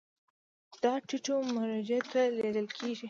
دا ټیټو مرجعو ته لیږل کیږي.